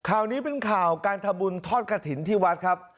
ข่าวนี้เป็นข่าวการทำบุญทอดกระถิ่นที่วัดครับ